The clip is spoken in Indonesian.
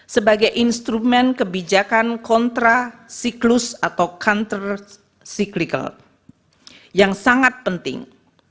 sebagai instrumen kebijakan kontra siklus atau counter cyclical yang sangat penting